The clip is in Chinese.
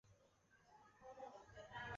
博纳维尔阿普托。